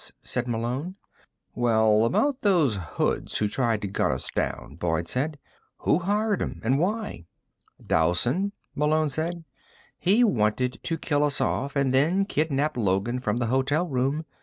said Malone. "Well, about those hoods who tried to gun us down," Boyd said. "Who hired 'em? And why?" "Dowson," Malone said. "He wanted to kill us off, and then kidnap Logan from the hotel room.